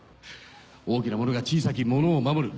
大きな者が小さき者を守る